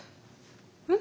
うん？